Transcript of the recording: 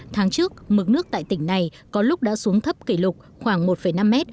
tháng trước mực nước tại tỉnh này có lúc đã xuống thấp kỷ lục khoảng một năm m